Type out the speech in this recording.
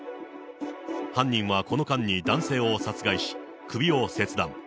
犯人はこの間に男性を殺害し、首を切断。